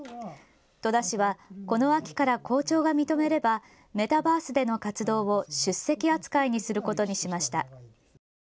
戸田市はこの秋から校長が認めればメタバースでの活動を出席扱いにすることにしました。